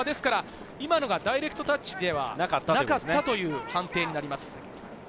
今のがダイレクトタッチではなかったという判定になります。